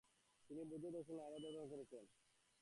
তিনি বৌদ্ধ দর্শন ও লামাবাদ অধ্যয়ন করেছিলেন।